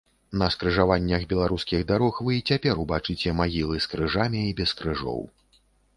На скрыжаваннях беларускіх дарог вы і цяпер убачыце магілы з крыжамі і без крыжоў.